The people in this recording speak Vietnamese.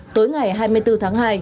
tối ngày hai mươi bốn tháng hai